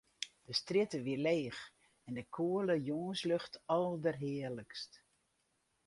De strjitte wie leech en de koele jûnslucht alderhearlikst.